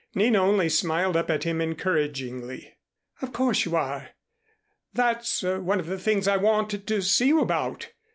Nina only smiled up at him encouragingly. "Of course, you are. That's one of the things I wanted to see you about.